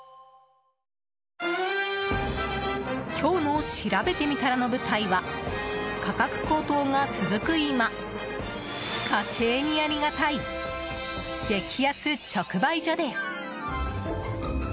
今日のしらべてみたらの舞台は価格高騰が続く今家計にありがたい激安直売所です。